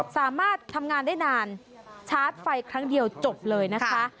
สามารถทำงานได้นานชาร์จไฟครั้งเดียวจบเลยนะคะ